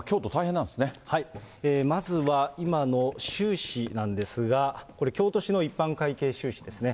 まずは、今の収支なんですが、これ、京都市の一般会計収支ですね。